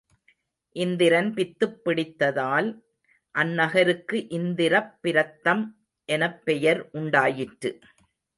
இந்திரன் புதுப்பித்ததால் அந்நகருக்கு இந்திரப்பிரத்தம் எனப் பெயர் உண்டாயிற்று.